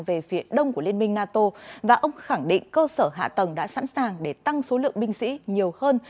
về phía đông của liên minh nato và ông khẳng định cơ sở hạ tầng đã sẵn sàng để tăng số lượng binh sĩ nhiều hơn